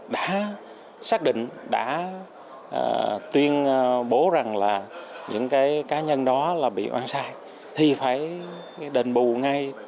đã xác định đã tuyên bố rằng là những cái cá nhân đó là bị oan sai thì phải đền bù ngay